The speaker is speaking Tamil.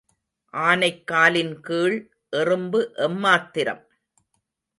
ஆனைக் காலின்கீழ் எறும்பு எம்மாத்திரம்?